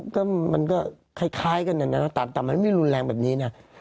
ก็มันก็คล้ายกันนะแต่มันไม่รุนแรงแบบนี้นะ